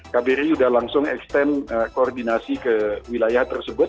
kbri sudah langsung extend koordinasi ke wilayah tersebut